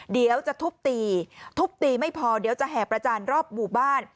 เดี๋ยวจะทุบตีทุบตีไม่พอเดี๋ยวจะแห่ประจานรอบหมู่บ้าน